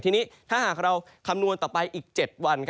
ทีนี้ถ้าหากเราคำนวณต่อไปอีก๗วัน